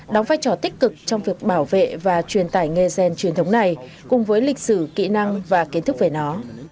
đóng vai trò tích cực trong việc bảo vệ và truyền tải nghề rèn truyền thống này cùng với lịch sử kỹ năng và kiến thức về nó